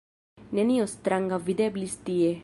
Nenio stranga videblis tie.